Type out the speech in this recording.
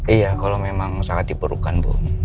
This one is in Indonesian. iya kalau memang sangat diperlukan bu